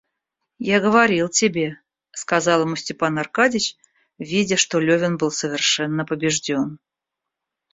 Я говорил тебе, — сказал ему Степан Аркадьич, видя, что Левин был совершенно побежден.